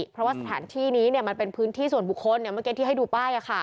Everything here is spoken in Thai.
เพราะว่าสถานที่นี้มันเป็นพื้นที่ส่วนบุคคลเมื่อกี้ที่ให้ดูป้าย